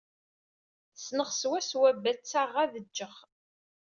Ssneɣ swa swa batta ɣad ǧǧeɣ.